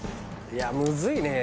いやむずいね